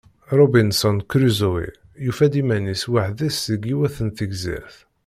Robinson Crusoe yufa-d iman-is weḥd-s deg yiwet n tegzirt.